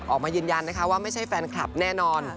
ออกมายืนยันนะคะว่าไม่ใช่แฟนคลับแน่นอน